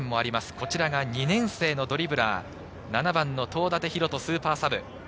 こちらが２年生のドリブラー、７番の東舘大翔、スーパーサブ。